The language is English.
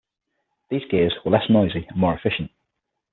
These gears were less noisy and more efficient.